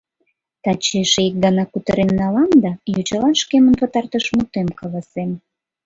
— Таче эше ик гана кутырен налам да йочалан шкемын пытартыш мутем каласем...».